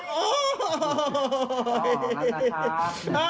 ออกยอบหรอก